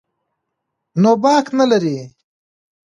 نو باک نه لري.